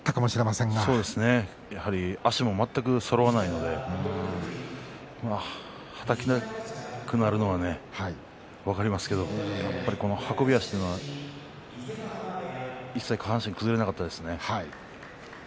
足も全くそろわないのではたきたくなるのは分かりますけども運び足で一切、下半身崩れなかったですね。